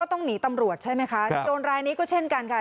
ต้องหนีตำรวจใช่ไหมคะโจรรายนี้ก็เช่นกันค่ะ